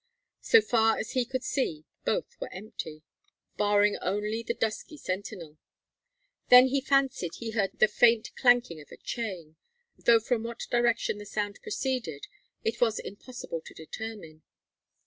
So far as he could see both were empty, barring only the dusky sentinel. Then he fancied he heard the faint clanking of a chain, though from what direction the sound proceeded it was impossible to determine.